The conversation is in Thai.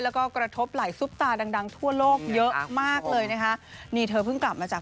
แล้วก็กระทบหลายซุปตาดังดังทั่วโลกเยอะมากเลยนะคะนี่เธอเพิ่งกลับมาจาก